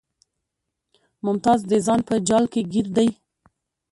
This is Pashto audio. ممتاز د ځان په جال کې ګیر دی